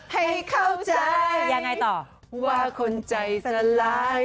เพลงนี้ดังไหล